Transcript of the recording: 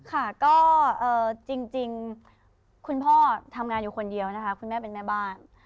ค่ะก็จริงคุณพ่อทำงานอยู่คนเดียวนะคะคุณแม่เป็นแม่บ้าน